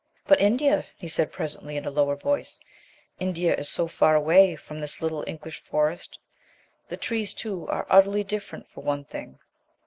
"But India," he said, presently in a lower voice, "India is so far away from this little English forest. The trees, too, are utterly different for one thing?"